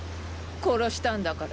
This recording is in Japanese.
殺したんだから。